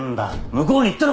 向こうに行ってろ！